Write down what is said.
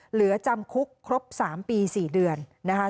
เหลือจำคุกครบ๓ปี๔เดือนนะคะ